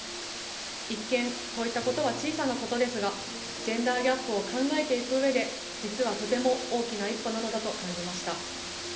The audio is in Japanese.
一見、こういったことは小さなことですがジェンダーギャップを考えていく上で実はとても大きな一歩なのだと感じました。